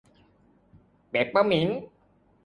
เปปเปอร์มินต์